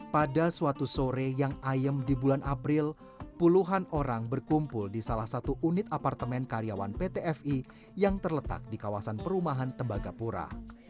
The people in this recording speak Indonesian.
pada suatu sore yang ayem di bulan april puluhan orang berkumpul di salah satu unit apartemen karyawan pt fi yang terletak di kawasan perumahan tembagapura